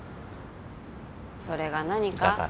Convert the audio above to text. それが何か？